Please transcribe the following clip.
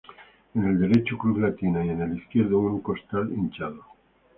En el derecho cruz latina y en el izquierdo un costal hinchado.